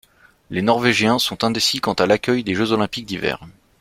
Les Norvégiens sont indécis quant à l'accueil de Jeux olympiques d'hiver.